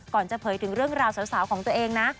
จะเผยถึงเรื่องราวสาวของตัวเองนะ